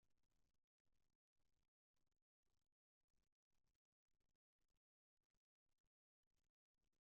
Estos comicios fueron considerados históricos para el país.